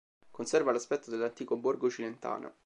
Conserva l'aspetto dell'antico borgo cilentano.